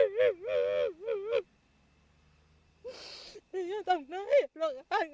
แล้วก็ยัดลงถังสีฟ้าขนาด๒๐๐ลิตร